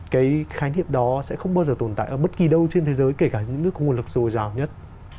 cái khái niệm đó sẽ không bao giờ tồn tại ở bất kỳ đâu trên thế giới kể cả những nước có nguồn lực dồi dào nhất